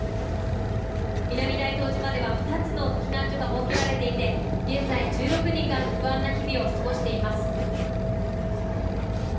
南大東島では２つの避難所が設けられていて現在、１６人が不安な日々を過ごしています。